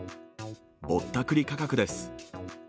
ぼったくり価格です。